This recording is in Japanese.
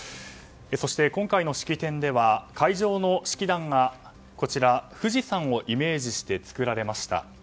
そして今回の式典では会場の式壇が富士山をイメージして作られました。